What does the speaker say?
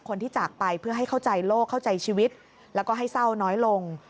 จากไปเพื่อให้เข้าใจโลกเข้าใจชีวิตแล้วก็ให้เศร้าน้อยลง